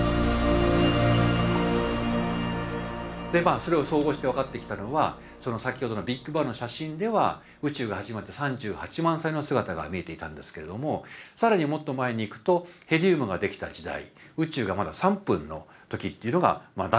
それを総合して分かってきたのは先ほどのビッグバンの写真では宇宙が始まって３８万歳の姿が見えていたんですけれども更にもっと前にいくとヘリウムができた時代宇宙がまだ３分の時っていうのがだんだん分かってきた。